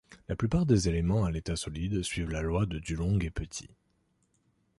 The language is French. La plupart des éléments à l'état solide suivent la loi de Dulong et Petit.